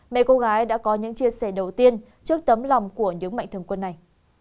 mẹ cô gái đã có những chia sẻ đầu tiên trước tấm lòng của những mạnh thường quân này